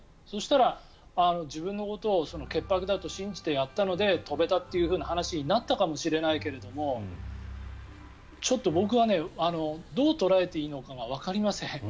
そしたら、自分のことを潔白だと信じてやったので跳べたという話になったかもしれないけれどもちょっと僕はどう捉えていいのかわかりません。